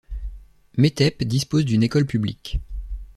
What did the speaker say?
Metep dispose d'une école publique.